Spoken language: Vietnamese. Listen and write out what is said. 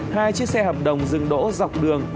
hai chiếc xe hầm đồng dừng đỗ dọc đường